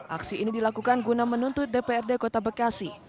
aksi ini dilakukan guna menuntut dprd kota bekasi